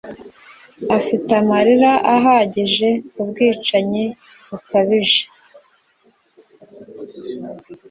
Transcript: afite amarira ahagije kubwicanyi bukabije